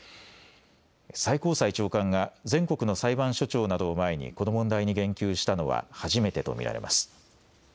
最高裁長官が全国の裁判所長などを前に、この問題に言及したのは初めてと見られます。